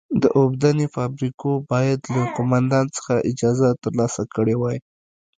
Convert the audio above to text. د اوبدنې فابریکو باید له قومندان څخه اجازه ترلاسه کړې وای.